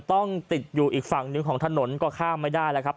ต้องติดอยู่อีกฝั่งหนึ่งของถนนก็ข้ามไม่ได้แล้วครับ